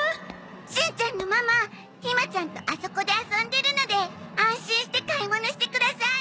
しんちゃんのママひまちゃんとあそこで遊んでるので安心して買い物してください。